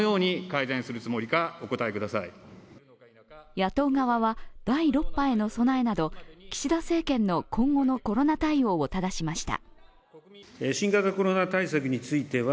野党側は第６波への備えなど岸田政権の今後のコロナ対応をただしました。